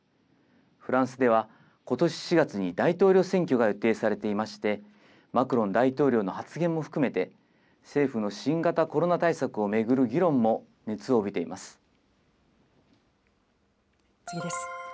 フランスではことし４月に大統領選挙が予定されていまして、マクロン大統領の発言も含めて、政府の新型コロナ対策を巡る議論も熱次です。